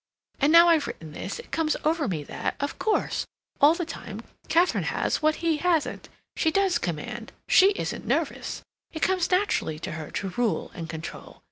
And now I've written this, it comes over me that, of course, all the time, Katharine has what he hasn't. She does command, she isn't nervous; it comes naturally to her to rule and control.